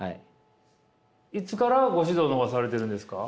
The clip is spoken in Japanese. いつからご指導の方はされているんですか？